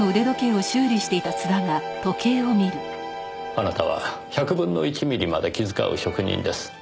あなたは１００分の１ミリまで気遣う職人です。